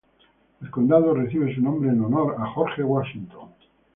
El condado recibe su nombre en honor a George Washington.